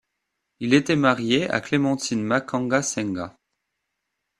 Il était marié à Clémentine Makanga-Senga.